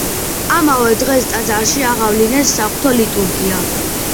ამავე დღეს ტაძარში აღავლინეს საღვთო ლიტურგია.